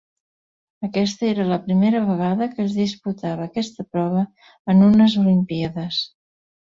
Aquesta era la primera vegada que es disputava aquesta prova en unes Olimpíades.